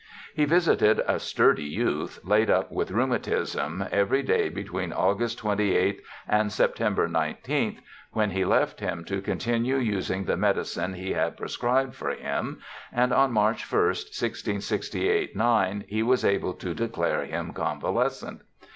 He visited a " sturdy youth " laid up with rheumatism, every day between August 28th and September 19th, when he left him to continue using the medicine he had pre scribed for him, and on March ist, 1668 9, he was able to declare him convalescent.